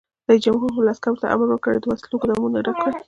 رئیس جمهور خپلو عسکرو ته امر وکړ؛ د وسلو ګودامونه ډک کړئ!